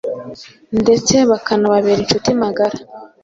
ndetse bakanababera incuti magara.